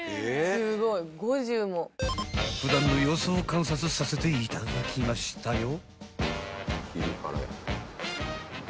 ［普段の様子を観察させていただきましたよ］